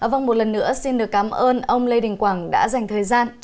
vâng một lần nữa xin được cảm ơn ông lê đình quảng đã dành thời gian